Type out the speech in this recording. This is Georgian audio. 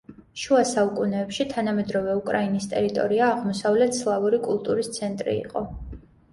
შუა საუკუნეებში, თანამედროვე უკრაინის ტერიტორია აღმოსავლეთ სლავური კულტურის ცენტრი იყო.